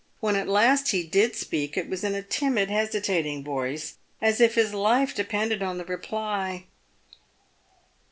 "When at last he did speak, it was in a timid, hesitating voice, as if his life depended on the reply.